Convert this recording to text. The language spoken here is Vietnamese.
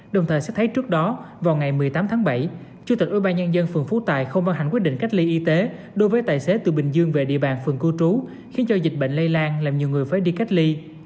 đồng thời sẽ thấy trước đó vào ngày một mươi tám tháng bảy chủ tịch ủy ban nhân dân phường phú tài không văn hành quyết định cách ly y tế đối với tài xế từ bình dương về địa bàn phường cưu trú khiến cho dịch bệnh lây lan làm nhiều người phải đi cách ly